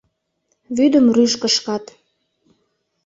Вӱдым рӱж кышкат.